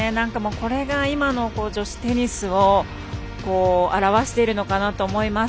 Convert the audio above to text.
これが今の女子テニスを表しているのかなと思います。